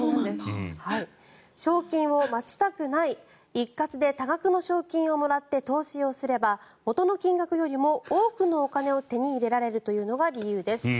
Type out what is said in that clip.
賞金を待ちたくない一括で多額の賞金をもらって投資をすれば元の金額よりも多くのお金を手に入れられるというのが理由です。